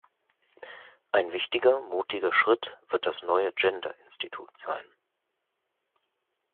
Ein wichtiger, mutiger Schritt wird das neue Gender Institut sein.